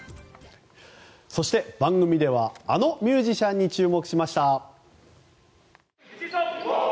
そして番組ではあのミュージシャンに注目しました。